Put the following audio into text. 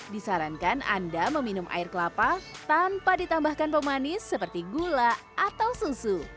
disarankan anda meminum air kelapa tanpa ditambahkan pemanis seperti gula atau susu